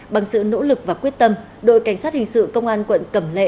bằng sự nỗ lực và quyết tâm đội cảnh sát hình sự công an quận cẩm lệ